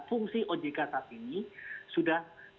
fungsi ojk saat ini